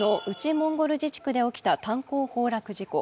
モンゴル自治区で起きた炭鉱崩落事故。